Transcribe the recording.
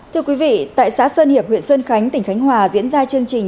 thưa quý vị tại xã sơn hiệp huyện sơn khánh tỉnh khánh hòa diễn ra chương trình